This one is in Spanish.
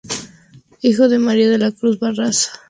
Hijo de María de la Cruz Barraza y Juan de Dios Flores.